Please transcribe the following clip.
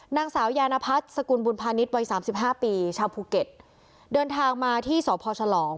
นางสาวยานพัฒน์สกุลบุญพาณิชย์วัยสามสิบห้าปีชาวภูเก็ตเดินทางมาที่สพฉลอง